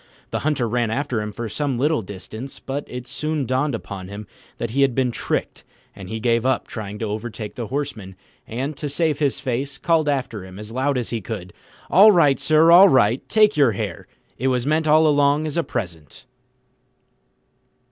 The Hunter ran after him for some little distance; but it soon dawned upon him that he had been tricked, and he gave up trying to overtake the Horseman, and, to save his face, called after him as loud as he could, "All right, sir, all right, take your hare: it was meant all along as a present."